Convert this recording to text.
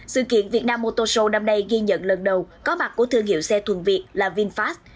sự kiện việt nam motor show năm nay ghi nhận lần đầu có mặt của thương hiệu xe thuần việt là vinfast